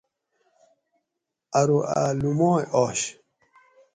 ارو اۤ لُومائ اش